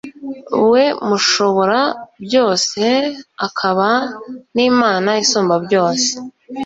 we mushoborabyose, akaba n'imana isumbabyose